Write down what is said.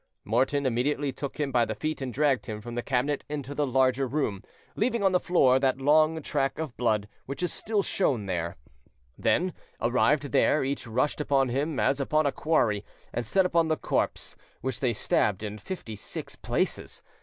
Morton immediately took him by the feet and dragged him from the cabinet into the larger room, leaving on the floor that long track of blood which is still shown there; then, arrived there, each rushed upon him as upon a quarry, and set upon the corpse, which they stabbed in fifty six places.